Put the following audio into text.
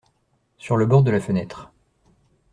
Sur le bord de la fenêtre.